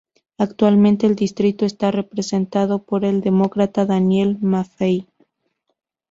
Actualmente el distrito está representado por el Demócrata Daniel Maffei.